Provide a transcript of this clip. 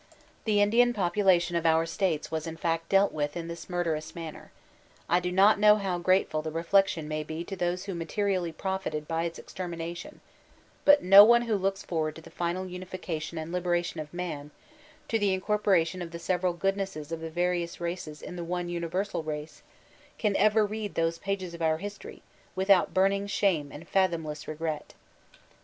The Indian popubtion of our states was m fact deah with in this murderous manner, I do not know how grateful the reflection may be to those who materially profited by its extermination ; but no one who looks for ward to the final unification and liberation of man, to the incorporation of the several goodnesses of the various races in the one universal race, can ever read those pages of our hbtory without burning shame and fathcmiless r^iel.